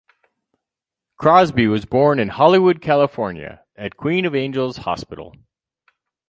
Crosby was born in Hollywood, California, at Queen of Angels Hospital.